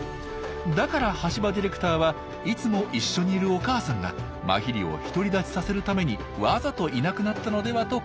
だから橋場ディレクターはいつも一緒にいるお母さんがマヒリを独り立ちさせるためにわざといなくなったのではと考えたんです。